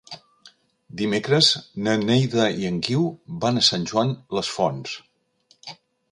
Dimecres na Neida i en Guiu van a Sant Joan les Fonts.